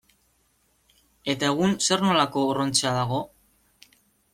Eta egun zer nolako urruntzea dago?